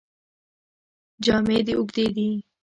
جامې دې اوږدې دي.